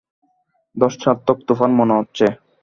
ধ্বংসাত্মক তুফান মনে হচ্ছে।